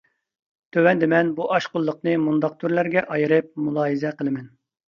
تۆۋەندە مەن بۇ ئاشقۇنلۇقنى مۇنداق تۈرلەرگە ئايرىپ مۇلاھىزە قىلىمەن.